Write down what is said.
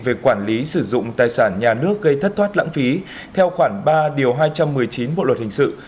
về quản lý sử dụng tài sản nhà nước gây thất thoát lãng phí theo khoảng ba điều hai trăm một mươi chín bộ luật hình sự